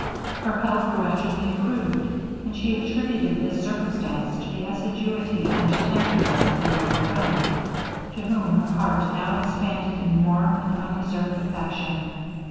Her health gradually improved, and she attributed this circumstance to the assiduity and tenderness of her young friend, to whom her heart now expanded in warm and unreserved affection.